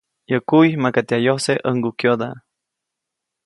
Yäʼ kuy makaʼt yajkyose ʼäŋgukyoda.